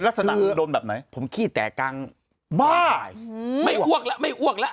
ลักษณะโดนแบบไหนผมขี้แตกกลางบ้าไม่อ้วกแล้วไม่อ้วกแล้ว